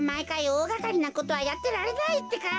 おおがかりなことはやってられないってか。